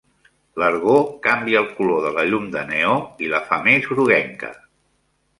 L'argó canvia el color de la llum de neó i la fa més groguenca.